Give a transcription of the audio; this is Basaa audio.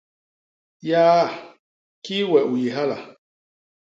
Yaa! Kii we u yé hala!